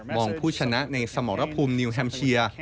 มองผู้ชนะในสมรพุมนิวแฮมเชีย